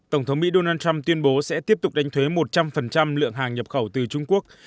tổng thống mỹ donald trump tuyên bố sẽ tiếp tục đánh thuế một trăm linh lượng hàng nhập khẩu từ trung quốc